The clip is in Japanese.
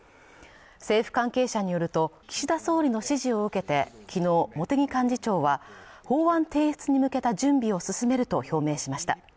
政府関係者によると岸田総理の指示を受けてきのう茂木幹事長は法案提出に向けた準備を進めると表明しました